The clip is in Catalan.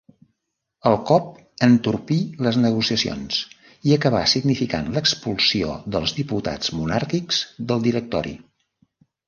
El cop entorpí les negociacions i acabà significant l'expulsió dels diputats monàrquics del Directori.